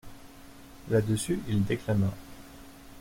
Là-dessus, il déclama.